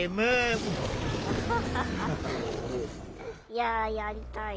いややりたい。